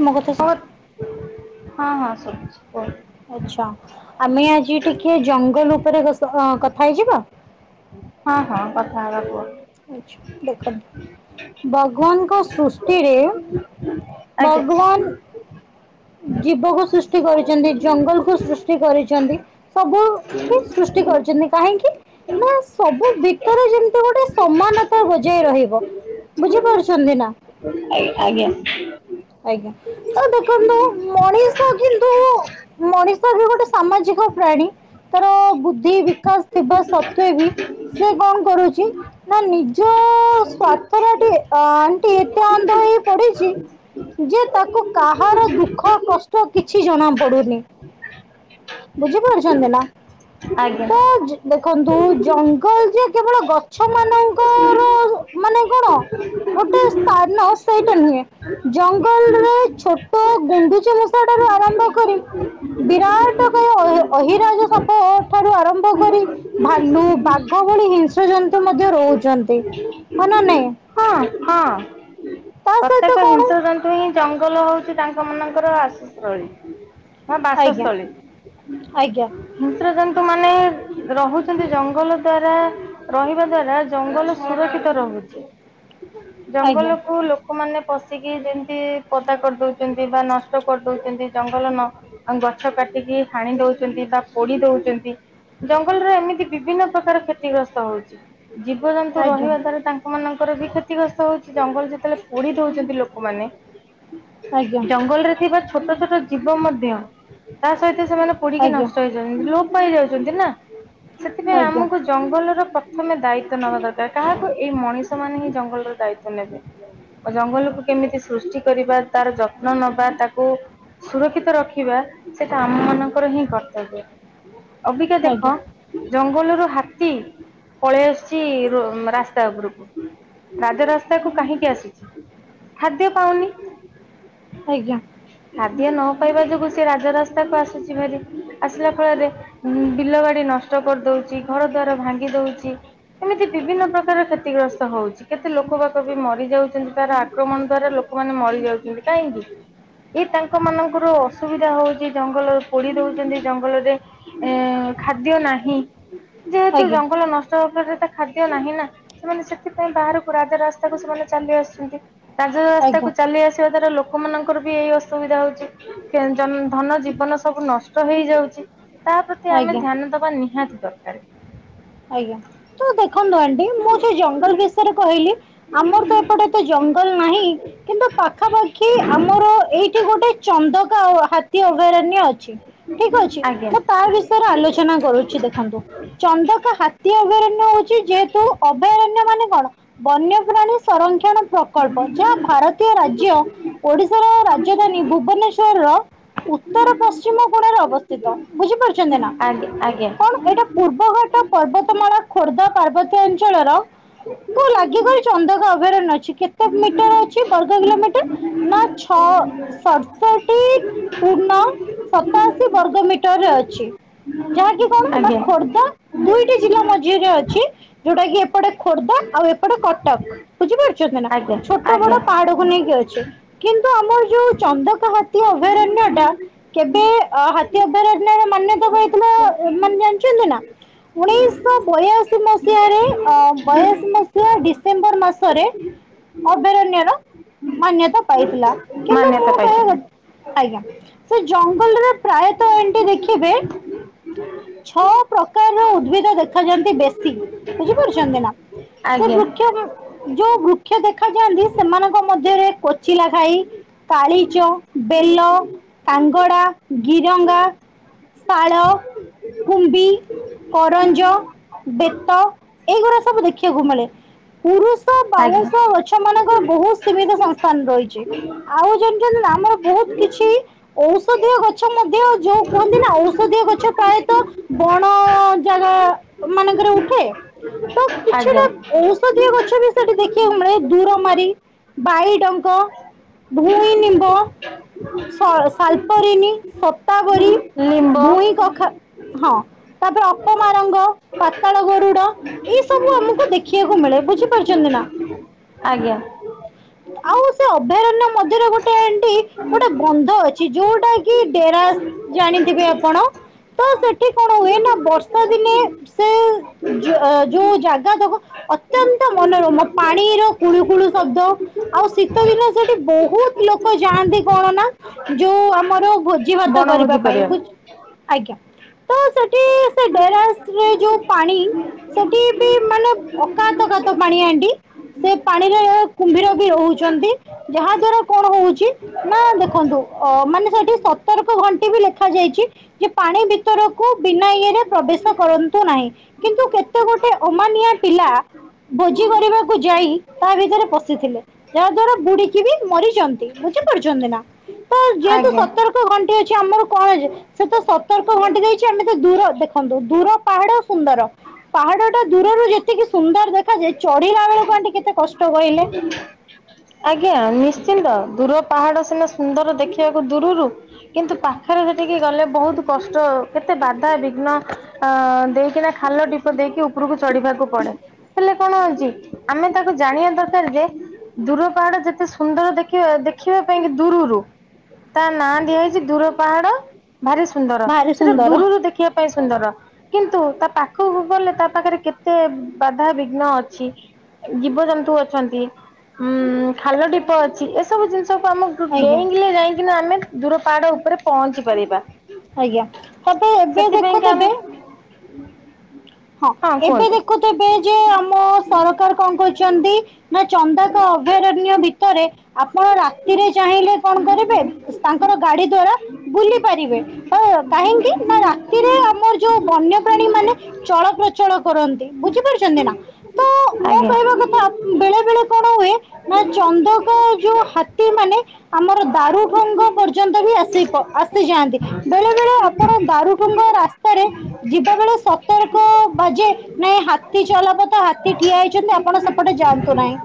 ମୋ କଥା ବତ ହଁ ହଁ ସବୁଛି ବହୁ ଆଛା ଆମେ ଆଜି ଟିକେ ଜଙ୍ଗଲ ଉପରେ କଥା ହେଇଯିବା? ହଁ ହଁ କଥା ହେବା ଆଚ୍ଛା ଦେଖନ୍ତୁ କୁହ? ଭଗବାନଙ୍କ ସୃଷ୍ଟିରେ ଆଜ୍ଞା ଭଗବାନ ଜୀବକୁ ସୃଷ୍ଟି କରିଛନ୍ତି ଜଙ୍ଗଲ କୁ ସୃଷ୍ଟି କରିଛନ୍ତି ସବୁ ସୃଷ୍ଟି କରିଛନ୍ତି କାହିଁକି ନା ସବୁ ଭିତରେ ଯେମତି ଗୋଟେ ସମାନତା ବଜେଇ ରହିବ ବୁଝିପାରୁଛନ୍ତି ନା? ଆଜ୍ଞ ଆଜ୍ଞା। ଆଜ୍ଞା ତ ଦେଖନ୍ତୁ ମଣିଷ କିନ୍ତୁ ମଣିଷ ବି ଗୋଟେ ସାମାଜିକ ପ୍ରାଣୀ। ତାର ବୁଦ୍ଧି ବିକାଶ ଥିବା ସତ୍ଵେ ବି ସେ କଣ କରୁଛି? ନା ନିଜ ସ୍ଵାର୍ଥ ଟ ଆଣ୍ଟି ଏତେ ଅନ୍ଧ ହେଇ ପଡିଛି। ଯେ ତାକୁ କାହାର ଦୁଃଖ କଷ୍ଟ କିଛି ଜଣା ପଡୁନି। ବୁଝି ପାରୁୁଛନ୍ତି ନା? ଆଜ୍ଞା। ତ ଦେଖନ୍ତୁ ଜଙ୍ଗଲ ଯେ କେବଳ ଗଛ ମାନଙ୍କର ମାନେ କଣ? ଗୋଟେ ସ୍ଥାନ ସେଇଟା ନୁହେଁ। ଜଙ୍ଗଲରେ ଛୋଟ ଗୁଣ୍ଡୁଚି ମୂଷା ଠାରୁ ଆରମ୍ଭ କରି ବିରାଟକାୟ ଅହିରାଜ ସାପ ଠାରୁ ଆରମ୍ଭ କରି ଭାଲୁ ବାଘ ଭଳି ହିଂସ୍ର ଜନ୍ତୁ ମଧ୍ୟ ରହୁଛନ୍ତି ହ ନା ନାଇଁ? ହଁ। ପ୍ରତେକ ସହିତ କ'ଣ ହିଂସ ଜନ୍ତୁ ହିଁ ଜଙ୍ଗଲ ହଉଛି ତାଙ୍କ ମାନଙ୍କର ଆସସ୍ତଳୀ। ହଁ ଆଜ୍ଞା ବାସସ୍ଥଳୀ। ଆଜ୍ଞା ହିଂସ୍ରଜନ୍ତୁ ମାନେ ରହୁଛନ୍ତି ଜଙ୍ଗଲ ଦ୍ଵାରା ରହିବା ଦ୍ଵାରା ଜଙ୍ଗଲ ସୁରକ୍ଷିତ ରହୁଛି ଆଜ୍ଞା ଜଙ୍ଗଲକୁୁ ଲୋ ଲୋକମାନେ ପଶିକି ଯେମିତି ପଦା କରିଦଉଛନ୍ତି ବା ନଷ୍ଟ କରିଦଉଛନ୍ତି ଜଙ୍ଗଲ ନ ଗଛ କାଟିକି ହାଣି ଦଉଛନ୍ତି ବା ପୋଡି ଦଉଛନ୍ତି। ଜଙ୍ଗଲରେ ଏମିତି ବିଭିନ୍ନ ପ୍ରକାର କ୍ଷତିଗ୍ରସ୍ତ ହଉଛି। ଜୀବଜନ୍ତୁ ଆଜ୍ଞା ରହିବା ଦ୍ଵାରା ତାଙ୍କ ମାନଙ୍କର ବି କ୍ଷ କ୍ଷତିଗ୍ରସ୍ତ ହଉଛି ଜଙ୍ଗଲ ଯେତେବେଳେ ପୋଡି ଧଉଛନ୍ତି ଲୋକମାନେ। ଆଜ୍ଞା ଜଙ୍ଗଲରେ ଥିବା ଛୋଟ ଛୋଟ ଜୀବ ମଧ୍ୟ ତା ସହିତ ସେମାନେ ପୋଡିକି ଆଜ୍ଞା ନଷ୍ଟ ହେଇଯାଉଛନ୍ତି ଲୋପ ପାଇଯାଉଛନ୍ତି ନା ଆଜ୍ଞା ସେଥିପାଇଁ ଆମକୁ ଆଜ୍ଞା ଜଙ୍ଗଲର ପ୍ରଥମେ ଦାୟିତଵ ନେବା ଦରକାର କାହାକୁ ଏଇ ମଣିଷ ମାନେ ହିଁ ଜଙ୍ଗଲର ଦାୟିତଵ ନେବେ। ଜଙ୍ଗଲକୁ କେମିତି ସୃଷ୍ଟି କରିବା ତାର ଯତ୍ନ ନବା ତାକୁ ସୁରକ୍ଷିତ ରଖିବା ସେଟା ଆମ ମାନଙ୍କର ହିଁ କର୍ତ୍ତବ୍ୟ। ଅବିକା ଆଜ୍ଞା ଦେଖ ଜଙ୍ଗଲରୁ ହାତୀ ପଳେଇ ଆସୁଚି ରୋ ରାସ୍ତା ଉପରକୁ। ରାଜରାସ୍ତା କୁ କାହିଁକି ଆସୁଚି? ଖାଦ୍ୟ ପାଉନି। ଆଜ୍ଞା। ଖାଦ୍ୟ ନ ପାଇାଇବା ଯୋଗୁ ସେ ରାଜରାସ୍ତାକୁ ଆସୁଚି ଭାରି। ଆସିଲା ଫଳରେ ଉ ବିଲ ବାଡି ନଷ୍ଟ କରିଦଉଚି ଘର ଦ୍ୱାର ଭାଙ୍ଗି ଦଉଚି। ଏମିତି ବିଭିନ୍ନ ପ୍ରକାର କ୍ଷତିଗ୍ରସ୍ତ ହଉଚି। କେତେ ଲୋକ ବାକ ବି ମରିଯାଉଚନ୍ତି ତାର ଆକ୍ରମଣ ଦ୍ଵାରା ଲୋକମାନେ ମରିଯାଉଚନ୍ତି କାହିଁକି? ଏଇ ତାଙ୍କ ମାନଙ୍କର ଅସୁବିଧା ହଉଚି ଜଙ୍ଗଲ ପୋଡି ଦଉଚନ୍ତି ଜଙ୍ଗଲରେ ଏ ଖାଦ୍ୟ ନାହିଁ। ଯେହେତୁ ଆଜ୍ଞା ଜଙ୍ଗଲ ନଷ୍ଟ ହବା ଫଳରେ ତା ଖାଦ୍ୟ ନାହିଁ ନା ସେମାନେ ସେଥିପାଇଁ ବାହାରକୁ ରାଜା ରାସ୍ତାକୁ ସେମାନେ ଚାଲି ଆସୁଚନ୍ତି। ରାଜ ଆଜ୍ଞା ରାସ୍ତାକୁ ଚାଲି ଆସିବା ଦ୍ଵାରା ଲୋକ ଲୋକମାନାନଙ୍କର ବି ଏଇ ଅସୁବିଧା ହଉଚି ଧନ ଜୀବନ ସବୁ ନଷ୍ଟ ହେଇଯାଉଚି। ତା ପ୍ରତି ଆମେ ଆଜ୍ଞା ଧ୍ୟାନ ଦବା ନିହାତି ଦରକାର। ଆଜ୍ଞା ତ ଦେଖନ୍ତୁ ଆଣ୍ଟି ମୁଁ ସେ ଜଙ୍ଗଲ ବିଷୟରେ କହିଲି ଆମର ତ ଏପଟେ ତ ଜଙ୍ଗଲ ନାହିଁ। କିନ୍ତୁ ପାଖାପାଖି ଆମର ଏଇଠି ଗୋଟେ ଚନ୍ଦକା ହାତୀ ଅଭୟାରଣ୍ୟ ଅ ଛି ଠିକ ଅଛି। ଆଜ୍ଞା। ମୁଁ ତା ବିଷୟରେ ଆଲୋଚନା କରୁଚି ଦେଖନ୍ତୁ। ଚନ୍ଦ କା ହାତୀ ଅଭୟାରଣ୍ୟ ହଉଛି ଯେହେତୁ ଅଭୟାରଣ୍ୟ ମାନେ କଣ ବନ୍ୟପ୍ରାଣୀ ସଂରକ୍ଷଣ ପ୍ରକଳ୍ପ ଯାହା ଭାରତୀୟ ରାଜ୍ୟ ଓଡିଶାର ରାଜଧାନୀ ଭୁବନେଶ୍ଵରର ଉତ୍ତର ପଶ୍ଚିମ କୋଣରେ ଅବସ୍ଥିତ। ବୁଝିପାରୁଛନ୍ତି ନା? ଆଜ୍ଞା ଆଜ୍ଞା। ଏଣୁ ଏଇଟା ପୂର୍ବଘାଟ ପର୍ବତମାଳା ଖୋର୍ଦ୍ଧା ପାର୍ବତୀ ଅଞ୍ଚଳର କ ଲାଗି ଚନ୍ଦକ ଅଭୟାରଣ ଅଛି। କେତେ ମିଟର ଅଛି ବର୍ଗ କିଲୋମିଟର? ନା ଛଅ ସତଷଠି ପୂର୍ଣ ସତାଅଶୀ ବର୍ଗ ମିଟରରେ ଅଛି ଯାହାକି କଣ ନା ଆଜ୍ଞା। ଖୋର୍ଦ୍ଧା ଦୁଇଟି ଜିଲ୍ଲା ମଧ୍ୟରେ ଅଛି ଯୋଉଟା କି ଏପଟେ ଖୋର୍ଦ୍ଧା ଆଉ ଏପଟେ କଟକ। ବୁଝିପାରୁଚନ୍ତି ନା ଆଜ୍ଞା ଛୋଟ ଆଜ୍ଞା ବଡ ପାହାଡକୁ ନେଇକି ଅଛି। କିନ୍ତୁ ଆମର ଯୋଉ ଚନ୍ଦକ ହାତୀ ଅଭୟାରଣ୍ୟ ଟା କେବେ ହାତୀ ଅଭୟାରଣ୍ୟ ର ମାନ୍ୟତା ପାଇଥିଲା ମାନେ ଜାଣିଛନ୍ତି ନା? ଉଣେଇଶହ ବୟାଅଶି ମସିହାରେ ଅ ବୟାଶ ମସିହା ଡିସେମ୍ବର ମାସରେ ଅଭୟାରଣ୍ୟର ମାନ୍ୟତା ପାଇଥିଲା। କିନ୍ତୁ ମୁଁ ମାନ୍ୟତା କ ପାଇଥିଲି। ଆଜ୍ଞା ସେ ଜଙ୍ଗଲରେ ପ୍ରାୟତଃ ଏମତି ଦେଖିବେ ଛଅ ପ୍ରକାରର ଉଦ୍ଭିଦ ଦେଖାଯାନ୍ତି ବେଶୀ ବୁଝିପାରୁଚନ୍ତି ନା। ସେ ଆଜ୍ଞା ବୃକ୍ଷ ଯୋଉ ବୃକ୍ଷ ଦେଖାାଯାଆନ୍ତି ସେମାନଙ୍କ ମଧ୍ୟରେ କଚିଲା ଖାଇ କାଳିଚ ବେଲ କାଙ୍ଗଡ଼ା ଗିରଙ୍ଗା ତାଳ କୁମ୍ଭୀ କରଞ୍ଜ ବେତ ଏଇଗୁଡା ସବୁ ଦେଖିବାକୁ ମିଳେ। ପୁରୁ ଷ ଆଜ୍ଞା ବାଉଁଶ ଗଛ ମାନଙ୍କ ବହୁତ ସୀମିତ ସଂସ୍ଥାନ ରହିଚି। ଆଉ ଜଣିଛନ୍ତି ଆମର ବହୁତ କିଛି ଔଷଧୀୟ ଗଛ ମଧ୍ୟ ଯୋଉ କୁହନ୍ତି ନା ଔଷଧୀୟ ଗଛ ପ୍ରାୟତଃ ବଣ ଣ ଜାଗା ମାନଙ୍କରେ ଉଠେ? ତ କିଛିଟା ଆଜ୍ଞା। ଔଷଧୀୟ ଗଛ ବି ସେଠି ଦେଖିବାକୁ ମିଳେ ଦୂରମାରି, ବାଇଡଙ୍କ ଭୂଇି ନିମ୍ବ ସାଲ-ସାଲପରିଣୀ ସତାବରୀ ଲିମ୍ବ ଭୂଇଁ କଖା ହଁ। ତାପରେ ଅପମା ରଙ୍ଗ ପାତାଳ ଗରୁଡ ଏ ସବୁ ଆମକୁ ଦେଖିବାକୁ ମିଳେ ବୁଝି ପାରୁଛନ୍ତି ନା? ଆଜ୍ଞା। ଆଉ ସେ ଅଭୟାରଣ୍ୟ ମଧ୍ୟରେ ଗୋଟେ ଏଣ୍ଡି ଗୋଟେ ବନ୍ଧ ଅଛି ଯୋଉଟା କି ଡେରାସ ଜାଣିଥିବେ ଆପଣ। ତ ସେଠି କଣ ହୁଏ ନା ବର୍ଷା ଦିନେ ସେ ଜ-ଯୋଉ ଜାଗା ତକ ଅତ୍ୟନ୍ତ ମନୋରମ ପାଣିର କୁଳୁ କୁଳୁ ଶବ୍ଦ ଆଉ ଶୀତ ଦିନ ସେଠି ବହୁତ ଲୋକ ଯାଆନ୍ତି। କଣ ନା ଯୋଉ ଆମର ଭୋଜି ଭାତ କରିବା ବଣଭୋଜି ପାଇଁ ବୁ ଆଜ୍ଞା। ହଁ ଡେରସ ରେ ଯୋଉ ପାଣି ସେଠି ବି ମାନେ ଅକାତ କାତ ପାଣି ଆଣ୍ଟି। ସେ ପାଣିରେ କୁମ୍ଭୀର ବି ରହୁଛନ୍ତି ଯାହା ଦ୍ଵାରା କଣ ହଉଛି ନା ଦେଖନ୍ତୁ ଅ ମାନେ ସେଠି ସତର୍କ ଘଣ୍ଟି ବି ଲେଖା ଯାଇଛି। ଯେ ପାଣି ଭିତରକୁ ବିନା ଇଏରେ ପ୍ରବେଶ କରନ୍ତୁ ନାହିଁ। କିନ୍ତୁ କେତେ ଗୋଟେ ଅମାନିଆ ପିଲା ଭୋଜି କରିବାକୁ ଯାଇ ତା ଭିତରେ ପଶିଥିଲେ। ଯାହା ଦ୍ଵାରା ବୁଡିକି ବି ମରିଛନ୍ତି ବୁଝିପାରୁଛନ୍ତି ନା ତ ଯେହେତୁ ଆଜ୍ଞା। ସତର୍କ ତର୍କ ଘଣ୍ଟି ଅଛି ଆମର କଣ ସେ ତ ସତର୍କ ଘଣ୍ଟି ଦେଇଛି ଆମେ ତ ଦୂର ଦେଖନ୍ତୁ ଦୂର ପାହାଡ ସୁନ୍ଦର। ପାହାଡ ଟା ଦୂରରୁ ଯେତିକି ସୁନ୍ଦର ଦେଖାଯାଏ ଚଢିଲା ବେଳକୁ ଆଣ୍ଟି କେତେ କଷ୍ଟ କହିଲେ। ଆଜ୍ଞା ନିଶ୍ଚିନ୍ତ ଦୂର ପାହାଡ ସିନା ସୁନ୍ଦର ଦେଖିବାକୁ ଦୂରରୁ କିନ୍ତୁ ପାଖରେ ସେଠିକି ଗଲେ ବହୁତ କଷ୍ଟ କେତେ ବାଧାାବିଘ୍ନ ଆ ଦେଇକିନା ଖାଲ ଢିପ ଦେଇକି ଉପ ଉପରକୁ ଚଢିବାକୁ ପଡେ ହେଲେ କଣ ହଉଛି ଆମେ ତାକୁ ଜାଣିବା ଦରକାର ଯେ ଦୂର ପାହାଡ ଯେତେ ସୁନ୍ଦର ଦେଖିବା ଦେଖିବା ପାଇଁକି ଦୂରରୁ ତା ନାଁ ଦିଆ ହେଇଛି ଦୂର ପାହାଡ ଭାରି ସୁନ୍ଦର ଭାରି ସେଟା ସୁନ୍ଦର ଦୂରରୁ ଦେଖିବା ପାଇଁ ସୁନ୍ଦର। କିନ୍ତୁ ତା ପାଖକୁ ଗଲେ ତା ପାଖରେ କେତେ ବାଧାବିଘ୍ନ ଅଛି। ଜୀବଜନ୍ତୁ ଅଛନ୍ତି। ଉଁ ଖାଲ ଢିପ ଅଛି ଏସବୁ ଜିନିଷକୁ ଆମକୁ ଆଜ୍ଞା ଡେଇଁଲେ ଯାଇକିନା ଆମେ ଦୂର ପାହାଡ ଉପରେ ପହଞ୍ଚି ପାରିବା। ଆଜ୍ଞା ତାପରେ ଏବେ ଦେଖୁ ଥିବେ ହ [unintelligible] ହଁ ଏବେ ଦେଖୁଥିବ ଯେ ଆମ ସରକାର କଣ କରୁଛନ୍ତି ନା ଚନ୍ଦକା ଅଭୟାରଣ୍ୟ ଭିତରେ ଆପଣ ରାତିରେ ଚାହିଁଲେ କଣ କରିବେ ତାଙ୍କର ଗାଡି ଦ୍ଵାରା ବୁଲି ପାରିବେ। ହଁ କାହିଁକି ନା ରାତିରେ ଆମର ଯୋଉ ବନ୍ୟପ୍ରାଣୀ ମାନେ ଚଳ ପ୍ରଚଳ କରନ୍ତି ବୁଝିପାରୁଛନ୍ତି ନା ତ ମୁଁ ଆଜ୍ଞା କହିବା କଥା ବେଳେ ବେଳେ କଣ ହୁଏ ନା ଚନ୍ଦକ ଯୋଉ ହାତୀ ମାନେ ଆମର ଦାରୁଭଙ୍ଗ ପର୍ଯ୍ୟନ୍ତ ବି ଆସି ପ ଆସିଯାଆନ୍ତି ବେଳେ ବେଳେ ଆପଣ ଦାରୁଭଙ୍ଗ ରାସ୍ତାରେ ଯିବା ବେଳେ ସ ତର୍କ ବାଜେ ନାଇଁ ହାତୀ ଚଲାପଥ ହାତୀ ଠିଆ ହେଇଛନ୍ତି ଆପଣ ସେପଟେ ଯାଆନ୍ତୁ ନାହିଁ।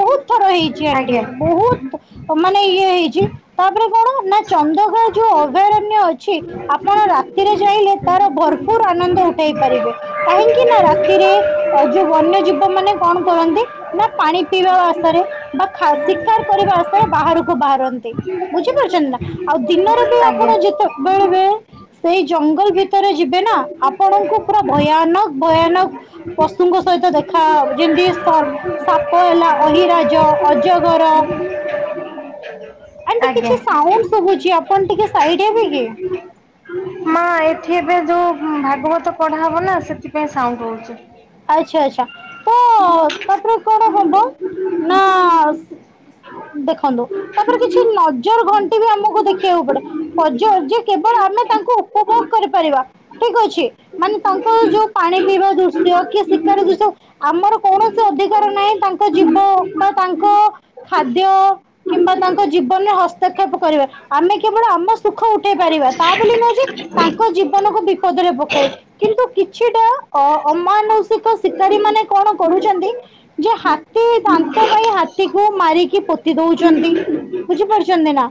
ବହୁତ ଥର ହେଇଛି ଆଣ୍ଟି ଆଜ୍ଞା ବହୁତ ତ ମାନେ ଇଏ ହେଇଚି। ତାପରେ କଣ ନାଁ ଚନ୍ଦକା ଯୋଉ ଅଭୟାରଣ୍ୟ ଅଛି ଆପଣ ରାତିରେ ଚାହିଁଲେ ତାର ଭରପୁର ଆନନ୍ଦ ଉଠେଇ ପାରିବେ କାହିଁକି ନା ରାତିରେ ଅ ଯୋଉ ବନ୍ୟଜୀବ ମାନେ କଣ କରନ୍ତି ନା ପାଣି ପିଇବା ଆଶାରେ ବା ଖା ଶିକାର କରିବା ଆଶାରେ ବାହାରୁକୁ ବାହାରନ୍ତି ବୁଝିପାର ଚନ୍ ନାଁ ଆଉ ଦିନରେ ବି ଆଜ୍ଞା ଆପଣ ଯେତ ବେଳେବେଳେ ସେଇ ଜଙ୍ଗଲ ଭିତରେ ଯିବେ ନାଁ ଆ କୁ ପୁରା ଭୟାନକ ଭୟାନକ ପଶୁଙ୍କ ସହିତ ଦେଖାବ ଯେମିତି ସର୍ ସାପ ହେଲା ଅହିରାଜ ଅଜଗର। ଆଜ୍ଞା‌। ସାଉଣ୍ଡ୍ ଶୁଭୁଚି ଆପଣ ଟିକେ ସାଇଡ଼୍ ହେବେ କି? ମା ଏଠି ଏବେ ଯୋଉ ଭାଗବତ ପଢ଼ା ହବ ନାଁ ସେଥିପାଇଁ ସାଉଣ୍ଡ ହଉଚି। ଆଚ୍ଛା ଆଚ୍ଛା ତ ତାପରେ କଣ ହବ ନାଁ ଦେଖନ୍ତୁ ତାପରେ କିଛି ନଜର ଘଣ୍ଟି ବି ଆମୁକୁ ଦେଖିବାକୁ ପଡ଼େ ପଜ ଯେ କେବଳ ଆମେ ତାଙ୍କୁ ଉପଭୋଗ କରିପାରିବା ଠିକ୍ ଅଛି? ମାନେ ତାଙ୍କ ଯୋଉ ପାଣି ପିଇବା ଦୃଶ୍ ଶ୍ୟ କି ଶିକାର ଦୃଶ୍ୟ ଆମର କୌଣସି ଅଧିକାର ନାହିଁ ତାଙ୍କ ଜୀବ ବା ତାଙ୍କ ଖାଦ୍ୟ କିମ୍ବା ତାଙ୍କ ଜୀବନରେ ହସ୍ତକ୍ଷେପ କରିବା ଆମେ କେବଳ ଆମ ସୁଖ ଉଠେଇ ପାରିବା ତା ବୋଲି ନୁହେଁ ଯେ ତାଙ୍କ ଜୀବନକୁ ବିପଦରେ କିନ୍ତୁ କିଛିଟା ଅ ଅମାନୁଷିକ ଶିକାରୀ ମାନେ କଣ କରୁଛନ୍ତି। ଯେ ହାତୀ ଦାନ୍ତ ପାଇଁ ହାତୀକୁ ମାରିକି ପୋତି ଦୋଉଚନ୍ତି। ବୁଝିପାରୁଛନ୍ତି ନା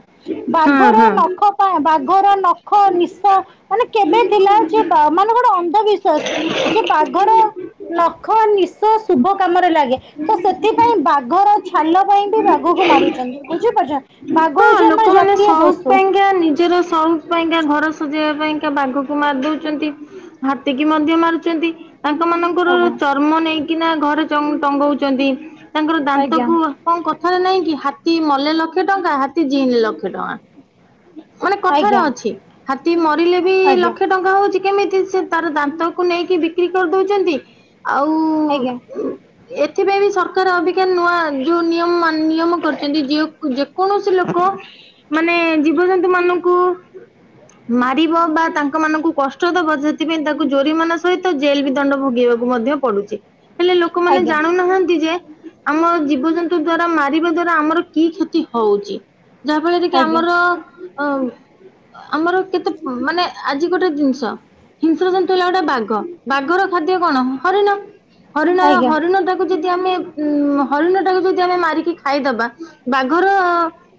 ହୁଁ ବାଘର ହୁଁ। ନ ବାଘର ନଖ ନିଶ ମାନେ କେବେ ଥିଲା ଯେ ମାନେ ଗୋଟେ ଅନ୍ଧବିଶ୍ଵାସ। ଯେ ବାଘର ନଖ ନିଶ ଶୁଭ କାମରେ ଲାଗେ। ତ ସେଥିପାଇଁ ବାଘର ଛାଲ ପାଇଁ ବି ବାଘକୁ ମାରୁଛନ୍ତି ବୁଝିପାରୁଛଛନ୍ତି। ବାଘ ହୋଉଚି ଆମର ଜାତୀୟ ସେଇ ପ ପାଇଁକା ନିଜର ସାଉଣ୍ଟ୍। ପାଇଁକା ଘର ସଜେଇବା ପାଇଁକା ବାଘକୁ ମାରି ଦଉଛନ୍ତି ହାତୀ କିି ମଧ୍ୟ ମାରୁଛନ୍ତି। ତାଙ୍କ ମାନଙ୍କର ଚର୍ମ ନେଇକିନା ଘରେ ଟଙ୍ଗଉଛନ୍ତି ତାଙ୍କର ଆଜ୍ଞା ଦାନ୍ତକୁ କଣ କଥାରେ ନାଇଁ କି ହାତୀ ମଲେ ଲକ୍ଷେ ଟଙ୍କା ହାତୀ ଜିଇଁନେ ଲକ୍ଷେ ଟଙ୍କା। ମାନେ କଥାରେ ଆଜ୍ଞା ଅଛି ହାତୀ ମରିଲେ ବି ଆଜ୍ଞା ଲକ୍ଷେ। ଟଙ୍କା ହଉଚି କେମିତି ସେ ତାର ଦାନ୍ତକୁ ନେଇକି ବିକ୍ରି କରିଦଉଚନ୍ତି। ଆଉ। ଆଜ୍ଞା ଆଜ୍ଞା ଏଥିପାଇଁ ବି ସରକାର ଅବିକା ନୂଆ ଯୋଉ ନିୟମ ନିୟମ କରୁଛନ୍ତି ଯଉ। କୌଣସି ଲୋକ ମାନେ ଜୀବଜନ୍ତୁ ମାନଙ୍କୁ ମାରିବ ବା ତାଙ୍କ ମାନଙ୍କୁ କଷ୍ଟ ଦବ ସେଥିପାଇଁ ତାକୁ ଜୋରିମନା ସହିତ ଜେଲ ବି ଦଣ୍ଡ ଭୋଗିବାକୁ ମଧ୍ୟ ପଡ଼ୁଚି। ହେଲେ ଲୋକମାନେ ଆଜ୍ଞା ଜାଣୁନାହାନ୍ତି ଯେ ଆମ ଜୀବଜନ୍ତୁ ଦ୍ଵାରା ମାରିବା ଦ୍ଵାରା ଆମର କି କ୍ଷତି ହଉଚି। ଯାହାଫଳରେ କି ଆଜ୍ଞା ଆମର ଅଉ ଆମର କେତେ ମାନେ ଆଜି ଗୋଟେ ଜିନିଷ ହିଂସ୍ରଜ ଥିଲା ଗୋଟେ ବାଘ ବାଘର ଖାଦ୍ୟ କଣ ହରିଣ ହରିଣ ଆଜ୍ଞା ହରିଣ ତା ଯଦି ଆମେ ହରିଣ ଟାକୁ ଯଦି ଆମେ ମାରିକି ଖାଇଦବା ବାଘର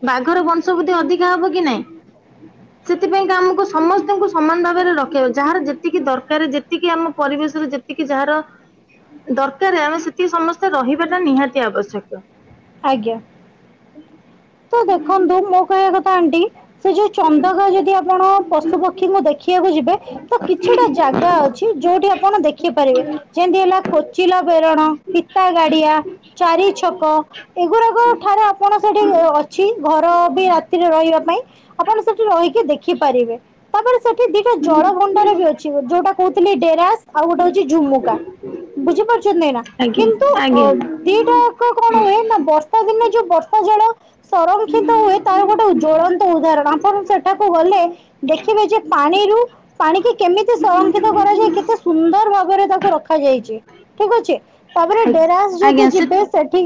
ବାଘର ବଂଶବୃଦ୍ଧି ଅଧିକା ହବ କି ନାଇଁ? ତିଆ ସେଥିପାଇଁକା ଆମୁକୁ ସମସ୍ତଙ୍କୁ ସମାନ ଭାବରେ ରଖେଇବ ଯାହାର ଯେତିକି ଦର୍ ଟାରେ ଯେତିକି ଆମ ପରିବେଶର ଯେତିକି ଯାହାର ଦରକାରେ ଆମେ ସେତିକି ସମସ୍ତେ ରହିବାଟା ନିହାତି ଆବଶ୍ୟକ। ଆଜ୍ଞା। ତ ଦେଖନ୍ତୁ ମୋ କହିବା କଥା ଆଣ୍ଟି ସେ ଯୋଉ ଚନ୍ଦକା ଯଦି ଅ ବଣ ପଶୁପକ୍ଷୀଙ୍କୁ ଦେଖିବାକୁ ଯିବେ ତ କିଛିଟା ଜାଗା ଅଛି ଯୋଉଠି ଆପଣ ଦେଖିପାରିବେ। ଯେମତି ହେଲା କୋଚିଲା ବେରଣ ପିତା ଗାଡ଼ିଆ। ଚାରି ଛକ ଏଗୁରାକ ଠାରେ ଆପଣ ସେଠି ଅଛି ଘର ବି ରାତିରେ ରହିବା ପାଇଁ ଆପଣ ସେଠି ରହିକି ଦେଖିପାରିବେ। ତାପରେ ସେଠି ଦିଟା ଜଳଭଣ୍ଡାର ବି ଅଛି ଯୋଉଟା କୋହୁଥିଲି ଡେରାସ୍ ଆଉ ଗୋଟେ ହଉଚି ଝୁମୁକା। ବୁଝିପାରୁଛନ୍ତି ନେଇଁ ନାଁ? ଆଜ୍ଞା ଆଜ୍ଞା। ଦିଟା ଆକ କଣ ହୁଏ ନାଁ ବର୍ଷା ଦିନେ ଯୋଉ ବର୍ଷା ଜଳ ସଂରକ୍ଷିତ ହୁଏ ତାର ଗୋଟେ ଉ ଜ୍ୱଳନ୍ତ ଉଦାହରଣ ଆପଣ ସେଠାକୁ ଗଲେ ଦେଖିବେ ଯେ ପାଣିରୁ ପାଣିିକି କେମିତି ସଂରକ୍ଷିତ କରାଯାଇ କେତେ ସୁନ୍ଦର ଭାବରେ ତାକୁ ରଖାଯାଇଚି। ଠିକ୍ ଅଛି ତାପରେ ଡେରାସ୍ ଯଦି ଆଜ୍ଞା ସେ ଯିବେ ସେଠି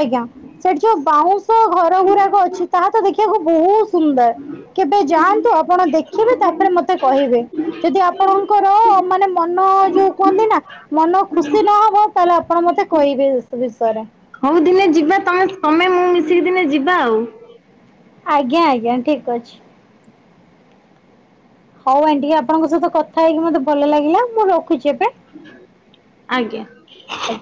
ଆଜ୍ଞା ସେଠି ଯୋଉ ବାଉଁ ଘର ଗୁରାକ ଅଛି ତାହା ତ ଦେଖିଆକୁ ବୋହୁ ସୁନ୍ଦର କେବେ ଯାଆନ୍ତୁ ଆପଣ ଦେଖିବେ ତାପରେ ମତେ କହିବେ। ଯଦି ଆପଣଙ୍କର ମାନେ ମନ ଯୋଉ କୁହନ୍ତି ନାଁ ମନ ଖୁସି ନହବ ତାହଲେ ଆପଣ ମତେ କହିବେ ଏସ ବିଷୟରେ। ହଉ ଦିନେ ଯିବା ତମେ ତମେ ମୁଁ ମିଶିକି ଦିନେ ଯିବା ଆଉ। ଆଜ୍ଞା ଆଜ୍ଞା ଠିକ୍ ଅଛି। ହେଉ ଆଣ୍ଟି ଆପଣଙ୍କ ସହିତ କଥା ହେଇକି ମତେ ଭଲ ଲାଗିଲା ମୁଁ ରଖୁଚି ଏବେ। ଆଜ୍ଞା। ଆଜ୍ଞା